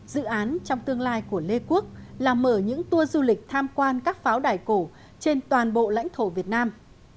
dự án trong tương lai của lê quốc là mở những tour du lịch tham quan các pháo đài cổ trên toàn bộ lãnh thổ việt nam